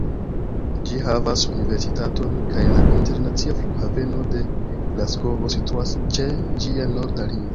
Ĝi havas universitaton, kaj la internacia flughaveno de Glasgovo situas ĉe ĝia norda limo.